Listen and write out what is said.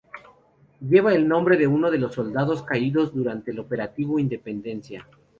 Lleva el nombre de uno de los soldados caídos durante el Operativo Independencia.